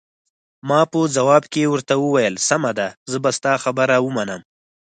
ما په ځواب کې ورته وویل: سمه ده، زه به ستا خبره ومنم.